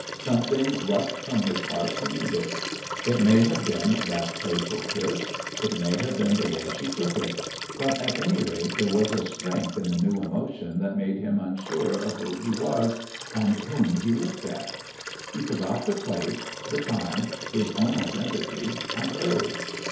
Something rushed from his heart to meet it. It may have been that playful kiss, it may have been the way she took it; but, at any rate, there was a strength in the new emotion that made him unsure of who he was and of whom he looked at. He forgot the place, the time, his own identity and hers.